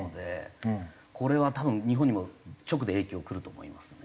これは多分日本にも直で影響くると思いますね。